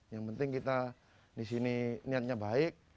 yang penting kita di sini niatnya baik